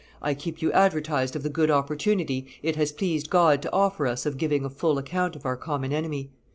"I keep you advertised of the good opportunity it has pleased God to offer us of giving a full account of our common enemy.